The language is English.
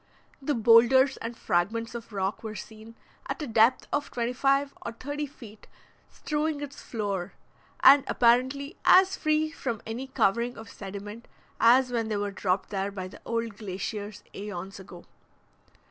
The boulders and fragments of rocks were seen, at a depth of twenty five or thirty feet, strewing its floor, and apparently as free from any covering of sediment as when they were dropped there by the old glaciers aeons ago.